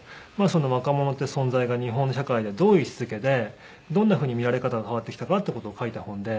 若者っていう存在が日本社会でどういう位置づけでどんなふうに見られ方が変わってきたかっていう事を書いた本で。